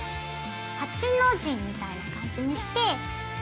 ８の字みたいな感じにして。